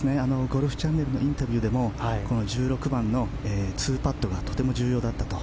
ゴルフチャンネルのインタビューでもこの１６番の２パットがとても重要だったと。